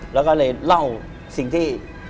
แล้วก็เลยเล่าสิ่งที่